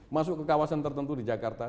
masuk ke kawasan tertentu di jakarta